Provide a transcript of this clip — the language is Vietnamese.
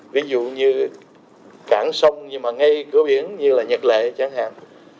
ví dụ như cảng sông nhưng mà ngay cửa biển như là nhật lệ chẳng hạn